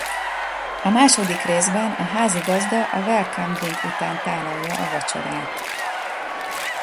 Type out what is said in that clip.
A második részben a házigazda a welcome drink után tálalja a vacsorát.